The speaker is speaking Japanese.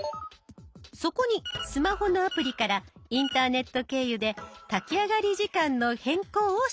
そこにスマホのアプリからインターネット経由で炊き上がり時間の変更を指示。